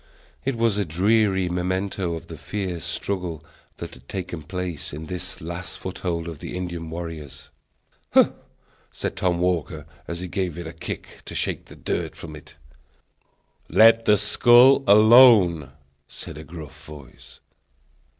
It was a dreary memento of the fierce struggle that had taken place in this last foothold of the Indian warriors. "Humph!" said Tom Walker, as he gave it a kick to shake the dirt from it. "Let that skull alone!" said a gruff voice.